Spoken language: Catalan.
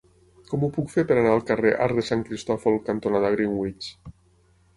Com ho puc fer per anar al carrer Arc de Sant Cristòfol cantonada Greenwich?